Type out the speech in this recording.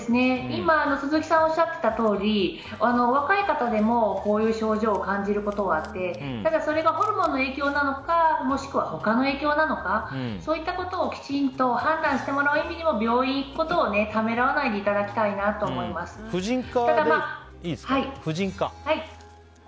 今、鈴木さんがおっしゃっていたとおり若い方でも、こういう症状を感じることがあってそれがホルモンの影響なのかもしくは他の影響なのかそういったことをきちんと判断してもらう意味でも病院に行くことをためらわないで婦人科？